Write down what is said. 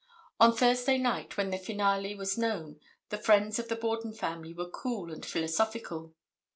On Thursday night when the finale was known, the friends of the Borden family were cool and philosophical.